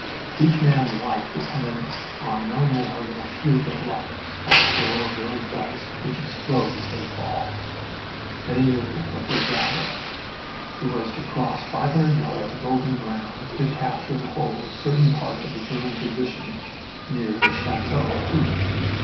Each man's life depended on no more than a fluke of luck by the throw of those dice which explode as they fall. They knew what their job was. It was to cross five hundred yards of open ground to capture and to hold a certain part of the German position near the Chateau of Hooge.